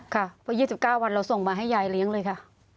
ก็๒๙วันเราส่งมาให้ยายเลี้ยงเลยค่ะ